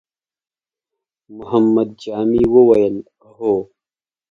محمد جامي وويل: هو!